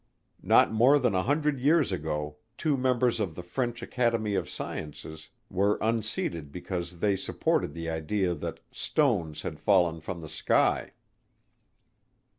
Not more than a hundred years ago two members of the French Academy of Sciences were unseated because they supported the idea that "stones had fallen from the sky."